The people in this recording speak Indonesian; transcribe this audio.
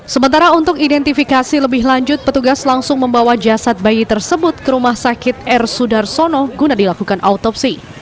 sementara untuk identifikasi lebih lanjut petugas langsung membawa jasad bayi tersebut ke rumah sakit r sudarsono guna dilakukan autopsi